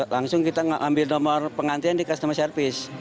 langsung kita ambil nomor pengantian di customer service